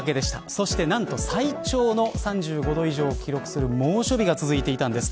そして最長の３５度以上を記録する猛暑日が続いていたんです。